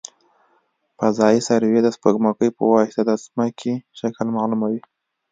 فضايي سروې د سپوږمکۍ په واسطه د ځمکې شکل معلوموي